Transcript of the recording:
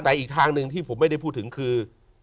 แต่อีกทางหนึ่งที่ผมไม่ได้พูดถึงคือ